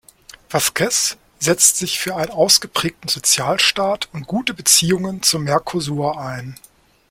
Vázquez setzt sich für einen ausgeprägten Sozialstaat und gute Beziehungen zum Mercosur ein.